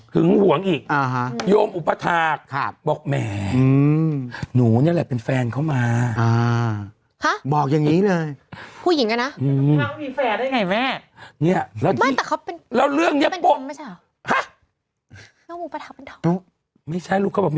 หึงห่วงอีกโยงอุปธาตุบอกแหมหนูเนี่ยแหละเป็นแฟนเขามาบอกอย่างนี้เลย